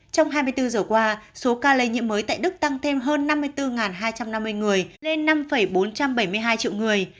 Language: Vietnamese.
trong hai mươi bốn giờ qua số ca lây nhiễm mới tại đức tăng thêm hơn năm mươi bốn hai trăm năm mươi người lên năm bốn trăm bảy mươi hai triệu người